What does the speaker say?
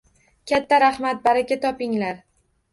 Katta rahmat, baraka topinglar.